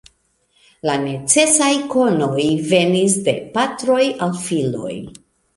La necesaj konoj venis de patroj al filoj.